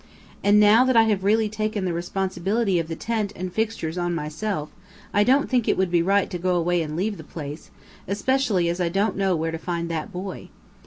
And now that I have really taken the responsibility of the tent and fixtures on myself, I don't think it would be right to go away and leave the place, especially as I don't know where to find that boy.